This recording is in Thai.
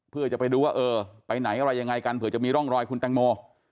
เพื่อจะไปดูว่าเออไปไหนอะไรยังไงกันเผื่อจะมีร่องรอยคุณแตงโม